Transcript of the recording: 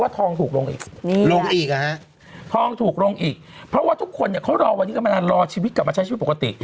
ทองถูกลงอีกลงอีกอ่ะฮะทองถูกลงอีกเพราะว่าทุกคนเนี่ยเขารอวันนี้กันมานานรอชีวิตกลับมาใช้ชีวิตปกติ